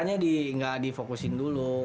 iya latihannya gak difokusin dulu